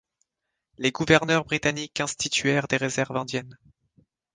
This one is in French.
Les gouverneurs britanniques instituèrent des réserves indiennes.